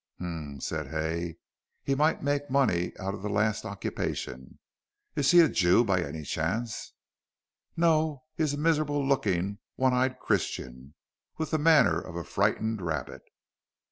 "Hum," said Hay, "he might make money out of the last occupation. Is he a Jew by any chance?" "No. He is a miserable looking, one eyed Christian, with the manner of a frightened rabbit."